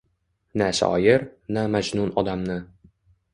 Na shoir, na Majnun odamni.